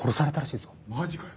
マジかよ。